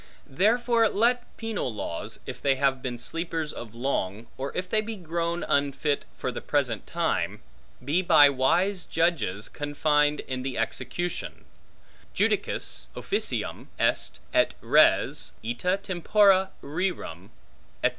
Therefore let penal laws, if they have been sleepers of long, or if they be grown unfit for the present time, be by wise judges confined in the execution: Judicis officium est, ut res, ita tempora rerum, etc.